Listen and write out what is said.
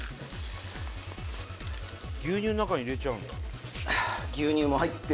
牛乳の中に入れちゃうんだ。